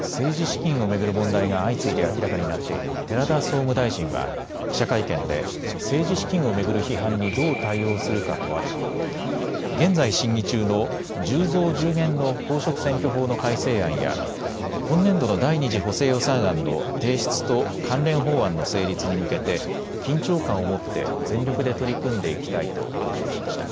政治資金を巡る問題が相次いで明らかになっている寺田総務大臣は記者会見で政治資金を巡る批判にどう対応するか問われ現在審議中の１０増１０減の公職選挙法の改正案や今年度の第２次補正予算案の提出と関連法案の成立に向けて緊張感を持って全力で取り組んでいきたいと強調しました。